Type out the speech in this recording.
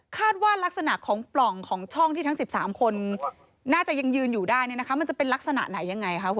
ว่ารักษณะของปล่องของช่องที่ทั้ง๑๓คนน่าจะยังยืนอยู่ได้เนี่ยนะคะมันจะเป็นลักษณะไหนยังไงคะ